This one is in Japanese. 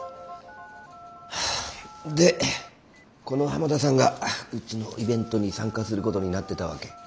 この浜田さんがうちのイベントに参加することになってたわけ？